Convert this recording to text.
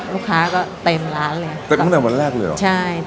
ลูกค้าก็เต็มร้านเลยเต็มตั้งแต่วันแรกเลยเหรอใช่